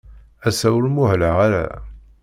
Ass-a, ur muhleɣ ara.